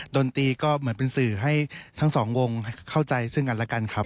ดนตรีก็เหมือนเป็นสื่อให้ทั้งสองวงเข้าใจซึ่งกันแล้วกันครับ